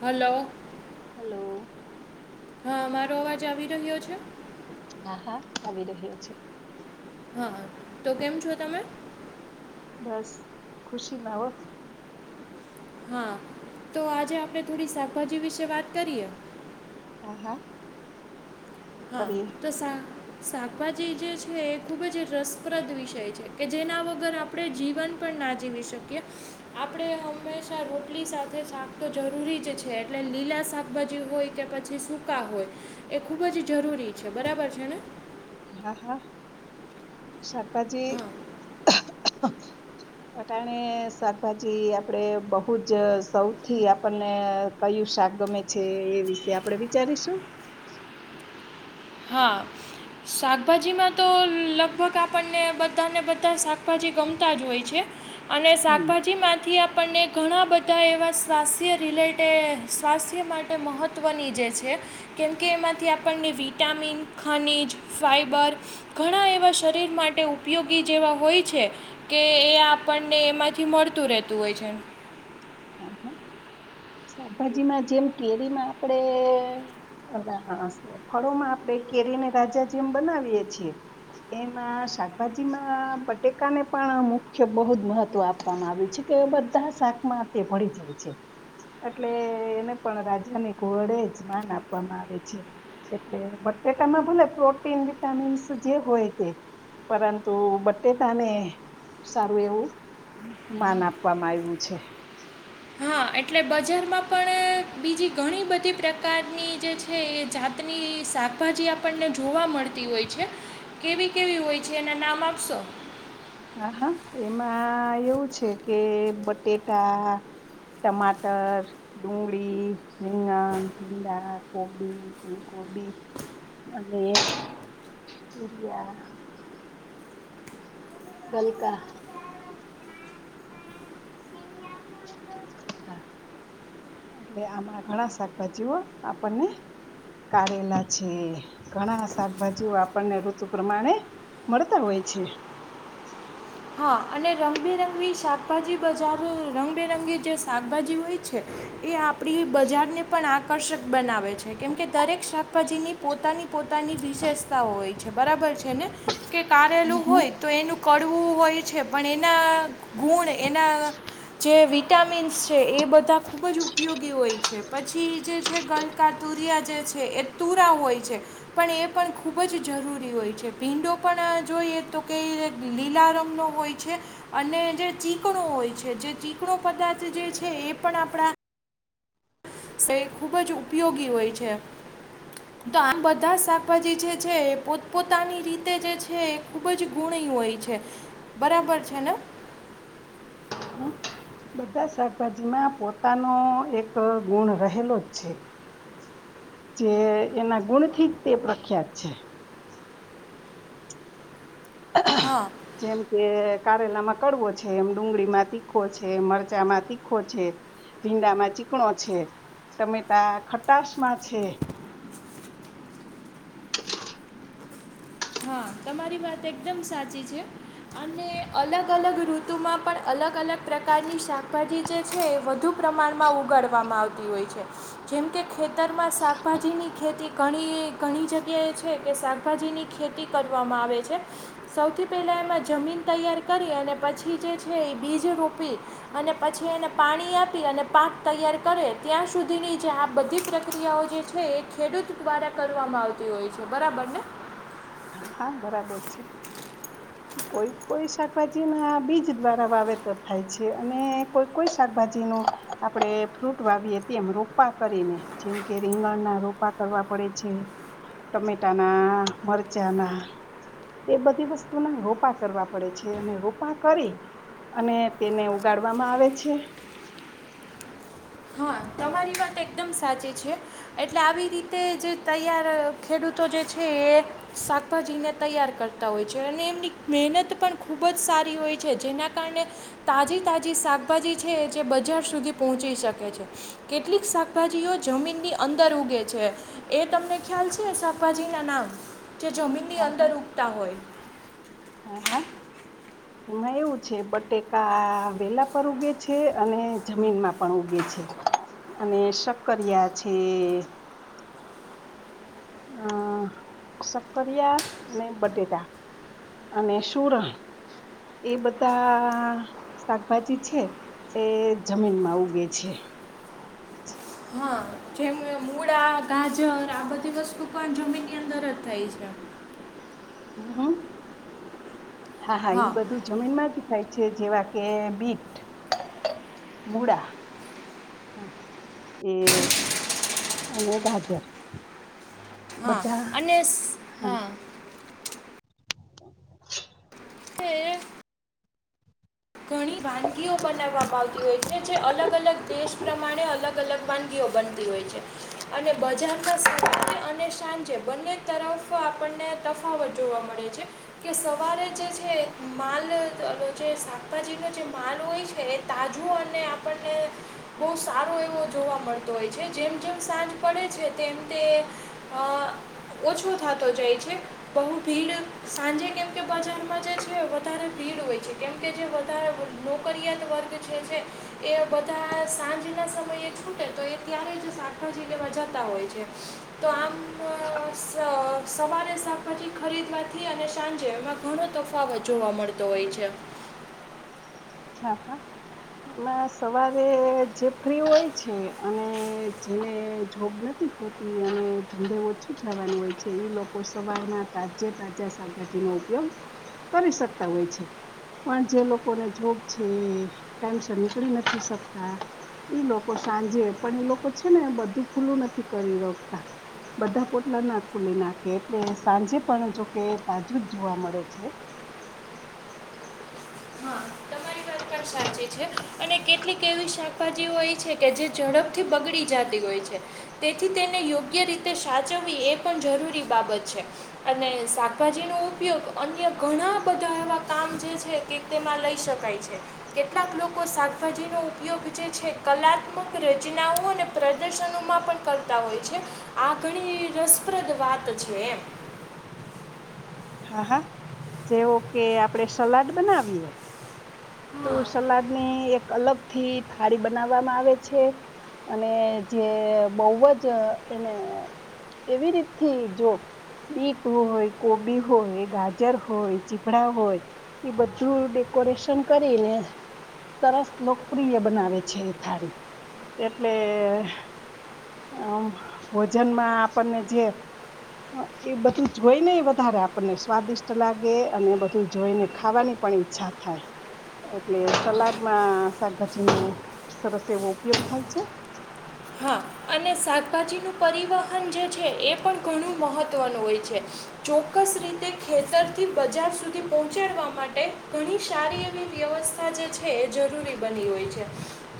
Hello. Hello. હા. મારો અવાજ આવી રહ્યો છે. હા. હા. આવી રહ્યો છે. હા. તો કેમ છો તમે? બસ ખુશીમા હો. હા, તો આજે આપણે થોડી શાકભાજી વિશે વાત કરીએે. હા હા. હા કરીએ તો સા શાકભાજી જે છે એ ખૂબ જ રસપ્રદ વિષય છે કે જેના વગર આપણે જીવન પણ ના જીવી શકીએ આપણે હંમેશા રોટલી સાથે શાક તો જરૂરી જ છે, એટલે લીલા શાકભાજી હોય કે પછી સૂકા હોય એ ખૂબ જ જરૂરી છે, બરાબર છે ને હા, હા શાકભાજી હા અટાણે શાકભાજી આપડે બહુ જ સૌથી આપણને કયું શાક ગમે છે એ વિશે આપડે વિચારીશું હા, શાકભાજીમાં તો લગભગ આપણને બધાને બધા શાકભાજી ગમતા જ હોય છે અને હમ શાકભાજીમાંથી આપ આપણને ઘણા બધા એવા સ્વાસ્થ્ય રિલેટેડ સ્વાસ્થ્ય માટે મહત્ત્વની જે છે, કેમકે એમાંથી આપણને વ વિટામિન, ખનીજ, ફાઈબર ઘણા એવા શરીર માટે ઉપયોગી જેવા હોય છે, કે એ આપણને એમાંથી મળતું રહેતું હોય છે શાકભાજીમાં જેમ કેરીમાં આપણેે ફળોમાં આપણે કેરીને રાજા જેમ બનાવીએ છીએ એમાં શાકભાજીમાં બટેકાને પણ મુખ્ય બહુ જ મહત્વ આપવામાં આવે છે કે બધા શાકમાં તે ભળી જાય છે, એટલે એને પણ રાજાની ઘડે જ માન આપવામાં આવે છે, એટલે બટેટામાં ભલે પ્રોટીન વિટામીન્સ જે હોય તે પરંતુ બટેટાને સારું એવું માન આપવામાં આવ્યું છે હા, એટલે બજારમાં પણ બીજી ઘણી બધી પ્રકારની જે છે એ જાતની શાકભાજી આપણને જોવા મળતી હોય છે, કેવી કેવી હોય છે, એના નામ આપશો હા હા એમાં એવું છે કે બટેટા ટમાટર ડુંગળી રીંગણ ભીંડા કોબી ફૂલકોબી અને યુરિયા ગલકા એટલે આમાં ઘણા શાકભાજીઓ આપણને કાઢેલા છે ઘણા શાકભાજીઓ આપણને ઋતુ પ્રમાણે મળતા હોય છે હા અને રંગબેરંગી શાકભાજી બજાર રંગબેરંગી જે શાકભાજી હોય છે એ આપણી બજારને પણ આકર્ષક બનાવે છે કેમકે દરેક શાકભાજીની પોતાની પોતાની વિશેષતાઓ હોય છે બરાબર છે ને કે કાારેલું હોય તો એનું કડવું હોય છે પણ એના ગુણ એના જે વિટામિન્સ છે એ બધા ખૂબ જ ઉપયોગી હોય છે પછી જે છે ગલકા તુરિયા જે છે એ તુરા હોય છે પણ એ પણ ખૂબ જ જરૂરી હોય છે ભીંડો પણ જોઈએ તો કે લીલા રંગ નો હોય છે અને જે ચીકણો હોય છે જે ચીકણો પદાર્થ જે છે એ પણ આપણા એ ખૂબ જ ઉપયોગી હોય છે તો આમ બધા શાકભાજી જે છે એ પોતપોતાની રીતે જે છે એ ખૂબ જ ગુણી હોય છે બરાબર છે ને બધા શાકભાજીમાં પોતાનો એક ગુણ રહેલો જ છે જે એના ગુણથી જ તે પ્રખ્યાત છે હા જેમ કે કારેલા માં કડવો છે એમ ડુંગળીમાં તીખો છે મરચામાં તીખો છે ભીંડામાં ચીકણો છે ટમેટા ખટાસમાં છે. હા તમારી વાત એકદમ સાચી છે અને અલગ-અલગ ઋતુમાં પણ અલગ અલગ પ્રકારની શાકભાજી જે છે એ વધુ પ્રમાણમાં ઉગાડવામાં આવતી હોય છે જેમ કે ખેતરમાં શાકભાજીની ખેતી ઘણી ઘણી જગ્યાએ છે કે શાકભાજીની ખેતી કરવામાં આવે છે સૌથી પહેલાં એમાં જમીન તૈયાર કરી અને પછી જે છે એ બીજ રોપી અને પછી એને પાણી આપી અને પાક તૈયાર કરે ત્યાં સુધીની જે આ બધી પ્રક્રિયાઓ જે છે એ ખેડૂત દ્વારા કરવામાં આવતી હોય છે બરાબરને. હા હા બરાબર છે કોઈ કોઈ શાકભાજી ના આ બીજ દ્વારા વાવેતર થાય છે અને કોઈ કોઈ શાકભાજી ન આપડે ફ્રૂટ વાવીએ તેમ રોપા કરીને જેમ કે રીંગણ ના રોપા કરવા પડે છે ટમેટા ના મરચાંના એ બધી વસ્તુના રોપા કરવા પડે છે અને રોપા કરી અને તેને ઉગાડવામાં આવે છે. એ વાત એકદમ સાચી છે એટલે આવી રીતે જે તૈયાર ખેડૂતો જે છે એ શાકભાજીને તૈયાર કરતા હોય છે અને એમની મહેનત પણ ખૂબ જ સારી હોય છે જેના કારણે તાજી તાજી શાકભાજી છે જે બજાર સુધી પહોંચી શકે છે. કેટલીક શાકભાજીઓ જમીનની અંદર ઉગે છે એ તમને ખ્યાલ છે શાકભાજીના નામ. જે જમીનની હા હા અંદર ઉગતા હોય. હા હા એમાં એવું છે બટેકા વેલા પર ઉગે છે અને જમીનમાં પણ ઉગે છે અને શક્કરિયા છે. અ શક્કરિયા અને બટેટા અને સુરણ એ બધા શાકભાજી છે એ જમીનમાં ઉગે છે. હા જેમ મૂળા ગાજર આ બધી વસ્તુ પણ જમીનની અંદર જ થાય છે. હમ્મ હ. હા હા ઈ બધું જમીનમાં જ થાય છે જેવા કે બીટ મૂળા હા એ અને ગાજર હા બધા અને હા. [inaudible] ઘણી વાનગી બનાવવામાં આવતી હોય છે જે અલગ અલગ દેશ પ્રમાણે અલગ અલગ વાનગીઓ બનતી હોય છે અને બજારમાં સવા અને સાંજે બંને તરફ આપણને તફાવત જોવા મળે છે કે સવારે જે છે માલ જે અપાજીનો જે માલ હોય છે એ તાજો અને આપણને બહુ સારો એવો જોવા મળતો હોય છે જેમ જેમ સાંજ પડે છે તેમ તે ઓછો થતો જાય છે બહ ભીડ સાંજે કેમ કે બજારમાં જે છે વધારે ભીડ હોય છે કેમ કે જે નોકરીયાત વર્ગ જે એ બધા સાંજના સમયે છૂટે તો એ ત્યારે જ શાકાજીમાં જતા હોય છે તો આમ સવારે શાકભાજી ખરીદવાથી અને સાંજે એમાં ઘણો તફાવત જોવા મળતો હોય છે. હા એમાં સવારે જે ફ્રી હોય છે અને જેને જોબ નથી હોતી અને ધંધે ઓછું જવાનું હોય છે એ લોકો સવારમાં તાજે તાજા શાકભાજીનો ઉપયોગ કરી શકતા હોય છે પણ જે લોકોને જોબ ટાઈમસર નીકળી નથી શકતા લોકો સાંજે પણ એ લોકો છે ને બધું ખુલ્લું નથી કરી રખતા બધા પોટલા ના ખુલી નાખે એટલે સાંજે પણ જોકે તાજું જ જોવા મળે છે. સાચે છે અને કેટલીક એવી શાકભાજીઓ એ છે કે જે ઝડપથી બગડી જતી હોય છે તેથી તેને યોગ્ય રીતે સાચવવી એ પણ જરૂરી બાબત છે અને શાકભાજીનો ઉપયોગ અન્ય ઘણા બધા એવા કામ જે છે તે તેમાં લઈ શકાય છે. કેટલાક લોકો શાકભાજીનો ઉપયોગ જે છે કલાત્મક રચનાઓ અને પ્રદર્શનોમાં પણ કરતા હોય છે આ ઘણી રસપ્રદ વાત છે એમ. હા હા જેવો કે આપડે સલાડ બનાવીએ. તો હા સલાદ ને એક અલગ થી થાળી બનાવવામાં આવે છે અને જે બહ જ એને એવી રીતથી જો બીટું હોય કોબી હોય ગાજર હોય ચીપડા હોય એ બધું ડેકોરેશન કરીને સરસ લોકપ્રિય બનાવે છે એ થાળી એટલે આ ભોજનમાં આપણને જે એ બધું હોય ને વધારે આપને સ્વાદિષ્ટ લાગે અને બધું જોઈને ખાવાની પણ ઈચ્છા થાય એટલે સલાડમાં શાકભાજી ન સરસ એવો ઉપયોગ થાય છે. હા અને શાકભાજીનું પરિવહન જે છે એ પણ ઘણું મહત્વનું હોય છે ચોક્કસ રીતે ખેતરથી બજાર સુધી પહોંચાડવા માટે ઘણી સારી એવી વ્યવસ્થા જે છે એ જરૂરી બની હોય છે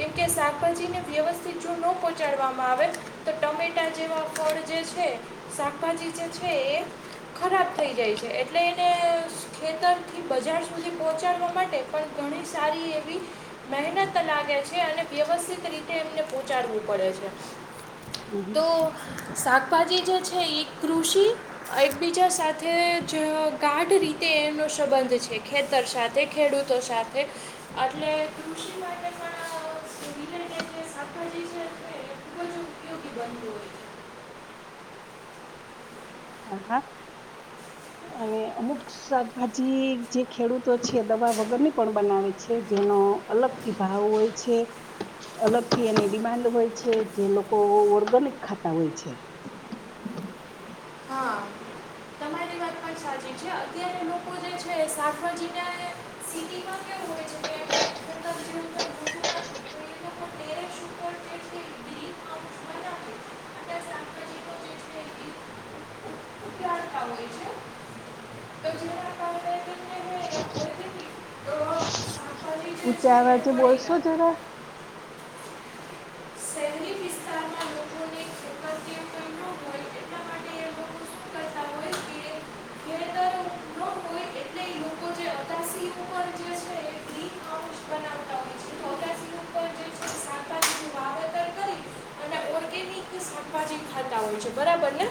કેમ કે શાકભાજીને વ્યવસ્થિત જો ન પહ પહંચાડવામાં આવે તો ટમેટા જેવા ફળ જે છે શાકભાજી જે છે એ ખરાબ થઈ જાય છે એટલે એને ખેતરથી બજાર સુધી પહોંચાડવા માટે પણ ઘણી સારી એવી મહેનત લાગે છે અને વ્યવસ્થિત રીતે એમને પહોંચાડવું. પડે છે‌. હમ હમ. તો શાકભાજી જે છે એ કૃષિ એકબીજા સાથે ગાઢ રીતે એનો સંબંધ છે ખેતર સાથે ખેડૂતો સાથેટ બજું યોગી બનતું હોય છે. હા હા અને અમુક શાકભાજી જે ખેડૂત તો છે દવા વગર ની પણ બનાવે છે. જેનો અલગથી ભાવ હોય છે, અલગથી એની ડિમાન્ડ હોય છે, જે લોકો ઓર્ગેનિક ખાતા હોય છે. હા તમારી વાત પણ સાચી છે અત્યારે લોકો જે છે, શકવાજીલા સિટીમાં કેું હોય છે કે બનાવે અને શાકભાજીનો જે છે એ ઉ- ઉગાડતા હોય છે તો જેના કારણે તેમને ઓર્ગેનિક શાકભાજી ઉ જે છે ચાર એ વાચે મળી રહે બોલશો જરા. શહેરી વિસ્તારમાં લોકોને ખેતર કે કંઈ ન હોય એટલા માટે એ લોકો શું કરતા હોય કે ખેતર ન હોય એટલે એ લોકો જે અગાસી ઉપર જે છે એ ગ્રીન હાઉસ બનાવતા હોય છે તો અગાસી ઉપર જે છે શાકભાજીનું વાવેતર કરી અને ઓર્ગેનિક શાકભાજી ખાતા હોય છે બરાબર ને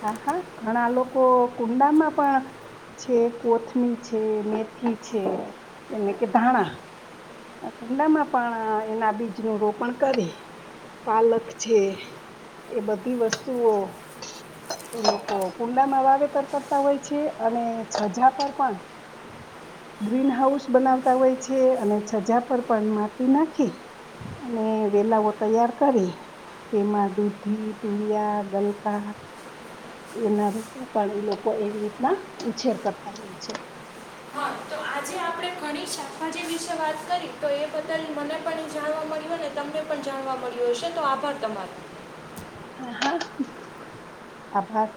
હા હા ઘણા લોકો કુંડામાં પણ છે કોથમી છે મેથી છે એને કે ધાણા કુંડામાં પણ એના બીજનું રોપણ કરે પાલક છે એ બધી વસ્તુઓ કુંડામાં વાવેતર કરતા હોય છે અને છજા પર પણ ગ્રીન હાઉસ બનાવતા હોય છે અને છજા પર પણ માટી નાખી અને વેલાઓ તૈયાર કરી તેમાં દૂધી તુરિયા ગલકા એના રૂપમાં પણ એ લોકો એવી રીતના ઉછેર કરતા હોય છે. આજ આપણે ઘણી શાકભાજી વિશે વાત કરી તો એ બદલ મને પણ જાણવા મળ્યું હોને તમને પણ જાણવા મળ્યું હશે તો આભાર તમારો. આભાર.